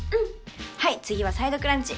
はい次はサイドクランチ